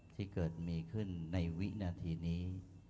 ที่เกิดมีขึ้นในวินาทีนี้